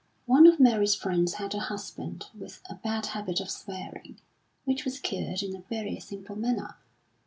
One of Mary's friends had a husband with a bad habit of swearing, which was cured in a very simple manner.